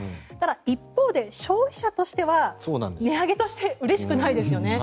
一方で消費者としては値上げとしてうれしくないですよね。